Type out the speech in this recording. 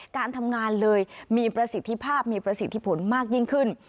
การทำงานเลยมีประสิทธิภาพมีประสิทธิผลมากยิ่งขึ้น